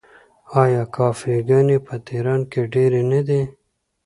آیا کافې ګانې په تهران کې ډیرې نه دي؟